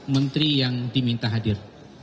menteri yang diminta hadir